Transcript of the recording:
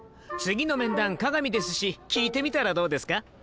次の面談利見ですし聞いてみたらどうですか？